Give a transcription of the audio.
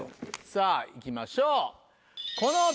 さぁいきましょう。